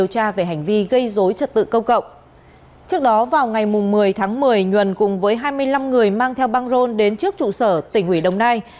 trước đó vào ngày một mươi tháng một mươi nhuần cùng với hai mươi năm người mang theo băng rôn đến trước trụ sở tỉnh hủy đồng nai